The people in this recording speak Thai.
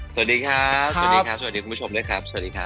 สวัสดีครับสวัสดีครับสวัสดีคุณผู้ชมด้วยครับสวัสดีครับ